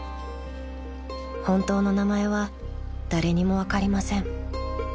［本当の名前は誰にも分かりません］